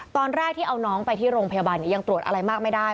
ตอนแรกที่เอาน้องไปที่โรงพยาบาลยังตรวจอะไรมากไม่ได้